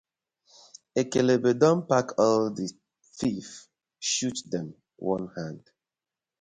Ekekebe don pack all the thief shoot dem one hand.